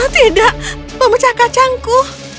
tidak pemecah kacangku